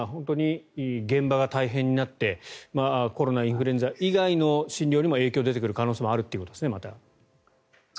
これまでもありましたがそうなると現場が大変になってコロナ、インフルエンザ以外の診療にも影響が出てくる可能性があるということですね。